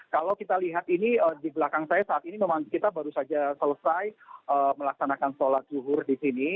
kalau kita lihat ini di belakang saya saat ini memang kita baru saja selesai melaksanakan sholat zuhur di sini